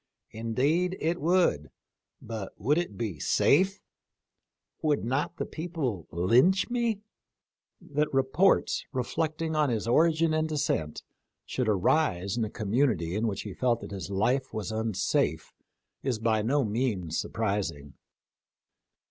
Indeed it would, but would it be safe ? Would not the people lynch me ?" That reports reflecting on his origin and descent should arise in a community in which he felt that his life was unsafe is by no means surprising.